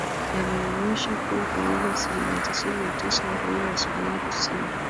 yameonesha kuwa karibu asilimia tisini na tisa wa raia wa sudan kusini